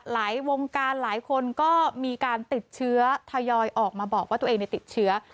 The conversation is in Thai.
วงการหลายคนก็มีการติดเชื้อทยอยออกมาบอกว่าตัวเองติดเชื้อ